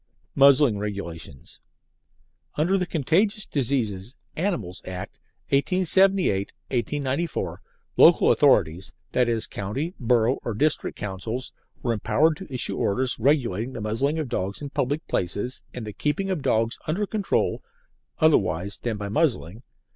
MUZZLING REGULATIONS Under the Contagious Diseases (Animals) Acts, 1878 1894, local authorities (i.e., county, borough, or district councils) were empowered to issue orders regulating the muzzling of dogs in public places and the keeping of dogs under control (otherwise than by muzzling).